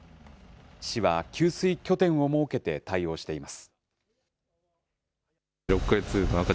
市は給水拠点を設けて対応しています。